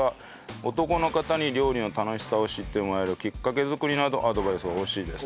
男の方に料理の楽しさを知ってもらえるきっかけ作りなどアドバイス欲しいです。